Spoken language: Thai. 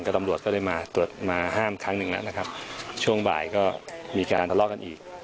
ตำรวจก็ได้มาตรวจมาห้ามครั้งหนึ่งแล้วนะครับช่วงบ่ายก็มีการทะเลาะกันอีก